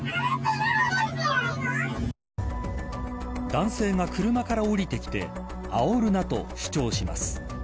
男性が車から降りてきてあおるなと主張します。